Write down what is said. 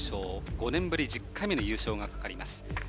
５年ぶり１０回目の優勝がかかります。